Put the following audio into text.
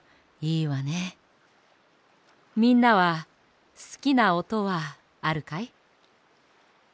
みんなはすきなおとはあるかい？